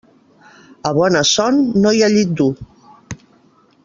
A bona son, no hi ha llit dur.